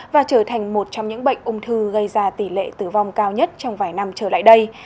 và trở thành một trong những bệnh ung thư gây ra tỷ lệ tử vong cao nhất trong vài năm trở lại đây